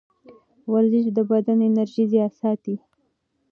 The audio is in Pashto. ورزش د بدن انرژي ساتي.